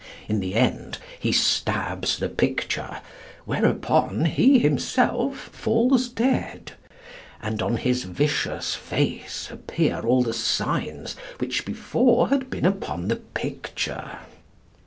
In the end he stabs the picture, whereupon he himself falls dead, and on his vicious face appear all the signs which before had been upon the picture.